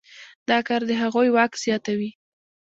دا کار د هغوی واک زیاتوي.